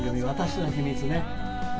「私の秘密」ね。